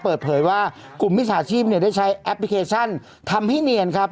เปิดเผยว่ากลุ่มมิจฉาชีพเนี่ยได้ใช้แอปพลิเคชันทำให้เนียนครับ